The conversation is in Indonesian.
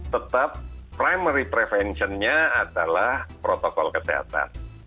tetap primary preventionnya adalah protokol kesehatan